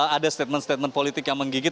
ada statement statement politik yang menggigit